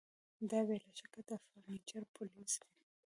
دا بې له شکه د فرنیچر پولیس دي